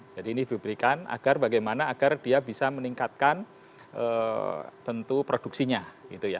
jadi ini diberikan agar bagaimana agar dia bisa meningkatkan tentu produksinya